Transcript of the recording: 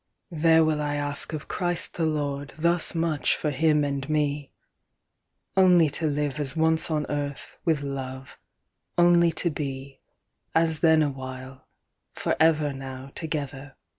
"There will I ask of Christ the LordThus much for him and me:—Only to live as once on earthWith Love,—only to be, As then awhile, forever nowTogether, I and he."